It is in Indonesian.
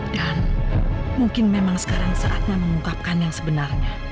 dan mungkin memang sekarang saatnya mengungkapkan yang sebenarnya